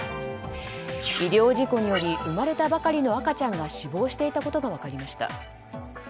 医療事故により生まれたばかりの赤ちゃんが死亡していたことが分かりました。